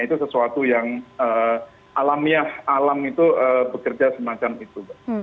itu sesuatu yang alamiah alam itu bekerja semacam itu